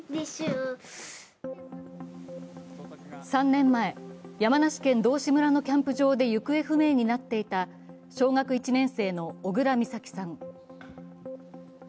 ３年前、山梨県道志村のキャンプ場で行方不明になっていた小学１年生の小倉美咲さん。